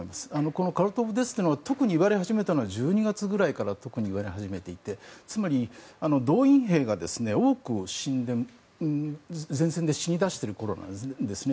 このカルト・オブ・デスというのが特に言われ始めたのは１２月ぐらいから特に言われ始めていてつまり動員兵が多く前線で死に出してる頃ですね。